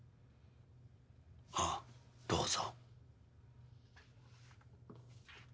ああどうぞ。